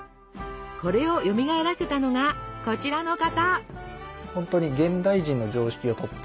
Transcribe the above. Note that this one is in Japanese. これをよみがえらせたのがこちらの方！